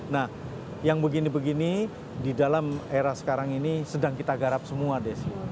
nah yang begini begini di dalam era sekarang ini sedang kita garap semua desi